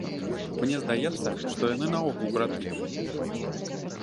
Мне здаецца, што яны наогул браты.